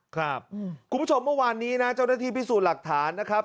คุณผู้ชมเมื่อวานนี้นะเจ้าหน้าที่พิสูจน์หลักฐานนะครับ